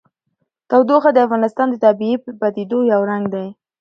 تودوخه د افغانستان د طبیعي پدیدو یو رنګ دی.